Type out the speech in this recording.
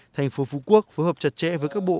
thành phố phú quốc phù hợp chặt chẽ với các bộ